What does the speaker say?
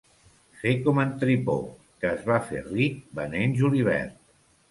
Fer com en Tripó, que es va fer ric venent julivert.